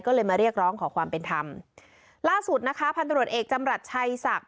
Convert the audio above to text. ก็เลยมาเรียกร้องขอความเป็นธรรมล่าสุดนะคะพันธุรกิจเอกจำรัฐชัยศักดิ